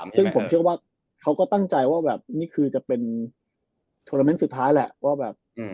ซึ่งผมเชื่อว่าเขาก็ตั้งใจว่าแบบนี่คือจะเป็นโทรเมนต์สุดท้ายแหละว่าแบบ